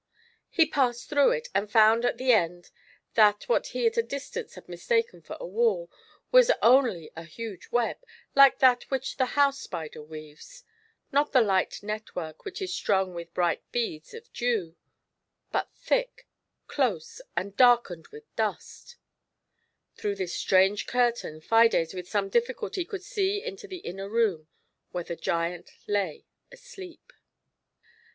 He passed through it, and found at the end that what he at a distance had mistaken for a wall, was only a huge web, like that which the house spider weaves ; not the light net work which is strung with bright beads of dew, but thick, close, and darkened with dusjb. Through this strange curtain Fides with some difficulty could see into the inner room where the giant lay asleep.